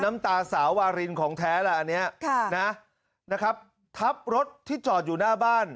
น้ำตาสาววารินของแท้ล่ะอันนี้นะครับทับรถที่จอดอยู่หน้าบ้าน